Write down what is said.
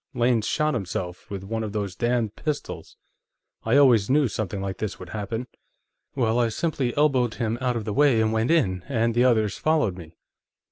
Lane's shot himself with one of those damned pistols; I always knew something like this would happen.' "Well, I simply elbowed him out of the way and went in, and the others followed me.